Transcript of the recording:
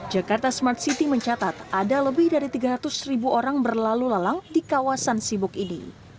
jakarta smart city mencatat ada lebih dari tiga ratus ribu orang berlalu lalang di kawasan sibuk ini